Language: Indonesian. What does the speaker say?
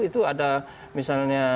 itu ada misalnya